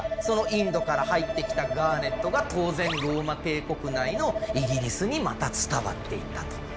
そのインドから入ってきたガーネットが当然ローマ帝国内のイギリスにまた伝わっていったと。